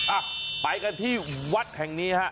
อ่ะไปกันที่วัดแห่งนี้ฮะ